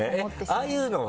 ああいうのは？